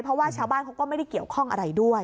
เพราะว่าชาวบ้านเขาก็ไม่ได้เกี่ยวข้องอะไรด้วย